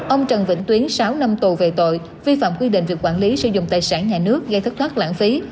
ông trần vĩnh tuyến sáu năm tù về tội vi phạm quy định về quản lý sử dụng tài sản nhà nước gây thất thoát lãng phí